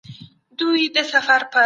ټولنیزو اړخونو ته پام کول اړین ګڼل کیږي.